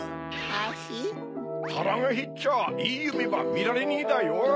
はらがへっちゃあいいゆめばみられねえだよ。